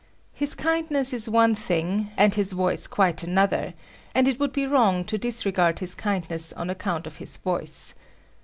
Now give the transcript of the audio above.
His kindness is one thing, and his voice quite another, and it would be wrong to disregard his kindness on account of his voice.